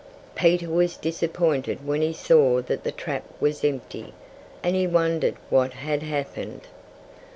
Peter was disappointed when he saw that the trap was empty. And he wondered what had happened.